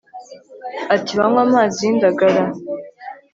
ati banywe amazi y'indagara